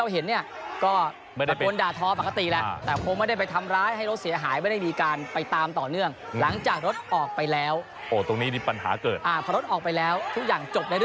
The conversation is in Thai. เฮ็นท่าไม่ดีตรงที่ว่าห้าถ้าอย่างงั้นเดี๋ยวไม่จบ